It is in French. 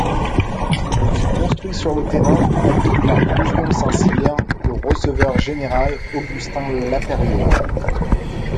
Il fut construit sur un terrain acquis par Gouvion-Saint-Cyr au receveur général Augustin Lapeyrière.